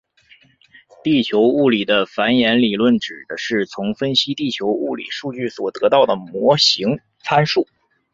地球物理的反演理论指的是从分析地球物理数据所得到的模型参数。